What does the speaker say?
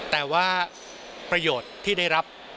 แต่ว่าประโยชน์ที่ได้รับ